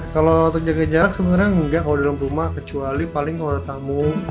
kalau untuk jaga jarak sebenarnya enggak kalau di dalam rumah kecuali paling kalau ada tamu